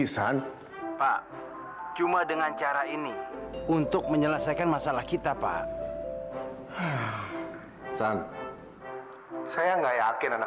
sampai jumpa di video selanjutnya